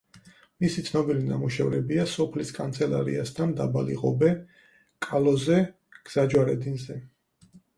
მისი ცნობილი ნამუშევრებია: „სოფლის კანცელარიასთან დაბალი ღობე“, „კალოზე“, „გზაჯვარედინზე“.